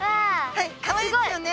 はいかわいいですよね。